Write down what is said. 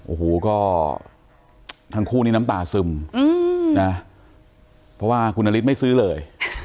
โอ้โหก็ทั้งคู่นี่น้ำตาซึมนะเพราะว่าคุณนฤทธิไม่ซื้อเลย